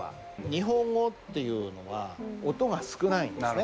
日本語っていうのは音が少ないんですね。